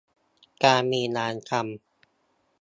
การมีงานทำ